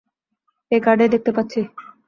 এই কার্ডেই দেখতে পাচ্ছি।